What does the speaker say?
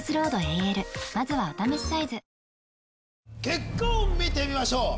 結果を見てみましょう。